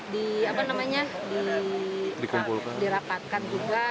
di apa namanya dirapatkan juga